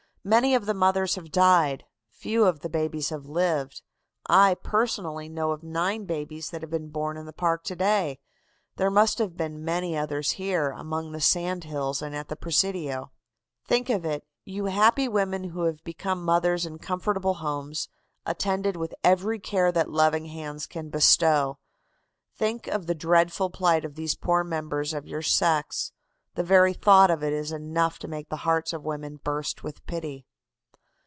'Many of the mothers have died few of the babies have lived. I, personally, know of nine babies that have been born in the park to day. There must have been many others here, among the sand hills, and at the Presidio.'" "Think of it, you happy women who have become mothers in comfortable homes, attended with every care that loving hands can bestow. Think of the dreadful plight of these poor members of your sex. The very thought of it is enough to make the hearts of women burst with pity.